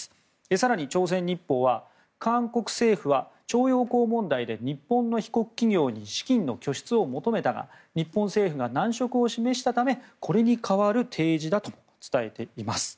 更に朝鮮日報は韓国政府は徴用工問題で日本の被告企業に資金の拠出を求めたが日本政府が難色を示したためこれに代わる提示だと伝えています。